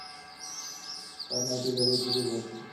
তাঁর নয়টি গাড়ি ও প্রচুর ঘোড়া ছিল।